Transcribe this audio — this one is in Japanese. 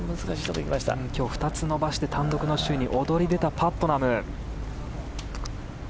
今日２つ伸ばして単独の首位に躍り出たパットナム。